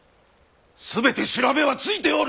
全て調べはついておる！